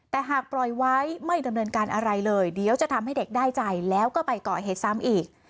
แต่หากปล่อยไว้ไม่ดำเนินการอะไรเลยเดี๋ยวจะทำให้เด็กได้ใจแล้วก็ไปก่อเหตุซ้ำอีก